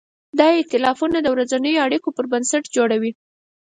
دا ایتلافونه د ورځنیو اړیکو پر بنسټ جوړېږي.